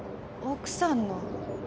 奥さんの？